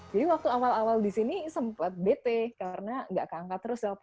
jadi waktu awal awal di sini sempat bete karena gak keangkat terus